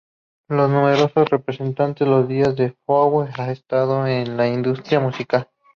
Los números representan los días que BoA ha estado en la industria musical.